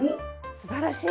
すばらしい。